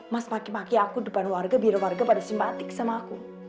mas maki maki aku depan warga biro warga pada simpatik sama aku